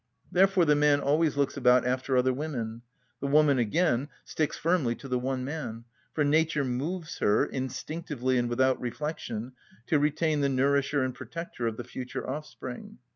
Therefore the man always looks about after other women; the woman, again, sticks firmly to the one man; for nature moves her, instinctively and without reflection, to retain the nourisher and protector of the future offspring.